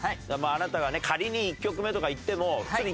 あなたがね仮に１曲目とかいっても。